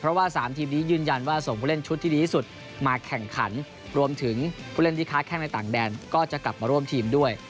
เพราะว่า๓ทีมนี้ยืนยันว่าส่งผู้เล่นชุดที่ดีที่สุดมาแข่งขันรวมถึงผู้เล่นที่ค้าแข้งในต่างแดนก็จะกลับมาร่วมทีมด้วย